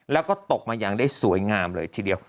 แล้วก็ตกมายังสวยงามเลยทีเดียว